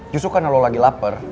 justru karena lo lagi lapar